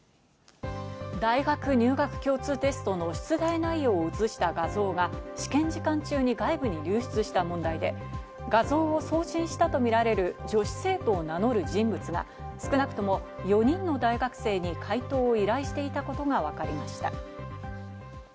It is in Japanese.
大学入学共通テストの出題内容を写した画像が試験時間中に外部に流出した問題で、画像を送信したとみられる女子生徒を名乗る人物が少なくとも４人の大学生に解答を依頼していたことがわかりました。